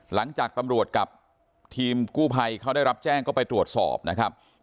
หลังจากตำรวจกับทีมกู้ภัยเขาได้รับแจ้งก็ไปตรวจสอบนะครับ